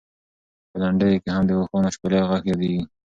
په لنډیو کې هم د اوښانو او شپېلۍ غږ یادېږي.